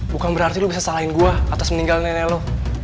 bukan berarti lo bisa salahin gue atas meninggal nenek lo